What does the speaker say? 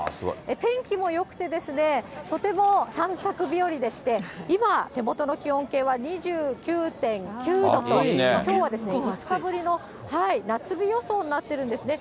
天気もよくて、とても散策日和でして、今、手元の気温計は２９．９度と、きょうは５日ぶりの夏日予想になってるんですね。